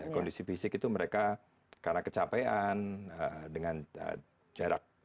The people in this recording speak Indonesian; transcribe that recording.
kondisi fisik itu mereka karena kecapean dengan jarak